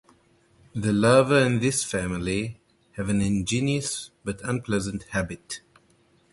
The larvae in this family have an ingenious but unpleasant habit.